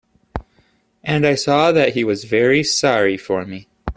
And I saw that he was very sorry for me.